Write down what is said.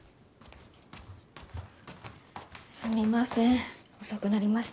すみません遅くなりました。